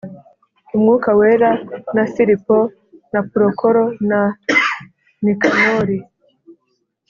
Umwuka Wera na Filipo na Purokoro na Nikanori